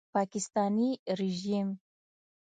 پاکستاني ریژیم